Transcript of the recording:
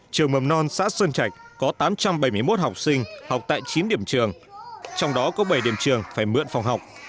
trường mầm non xã sơn trạch có tám trăm bảy mươi một học sinh học tại chín điểm trường trong đó có bảy điểm trường phải mượn phòng học